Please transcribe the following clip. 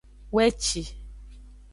Weci.